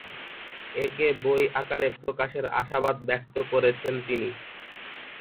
একে বই আকারে প্রকাশের আশাবাদ ব্যক্ত করেছেন তিনি।